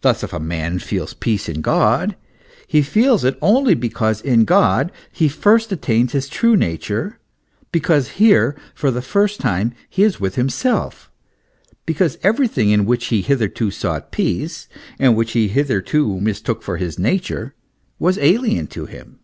Thus, if man feels peace in God, he feels it only because in God he first attains his true nature, because here, for the first time, he is with himself, because everything in which he hitherto sought peace, and which he hitherto mistook for his nature, was alien to him.